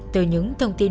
từ những thông tin